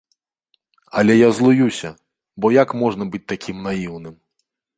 Але я злуюся, бо як можна быць такім наіўным?